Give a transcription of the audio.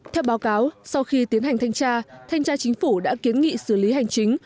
theo báo cáo sau khi tiến hành thanh tra thanh tra chính phủ đã kiến nghị xử lý hành chính